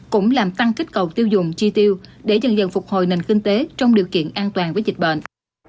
cũng làm tăng kích cầu tiêu dùng chi tiêu để dần dần phục hồi nền kinh tế trong điều kiện an toàn với dịch bệnh